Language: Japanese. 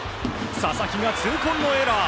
佐々木が痛恨のエラー。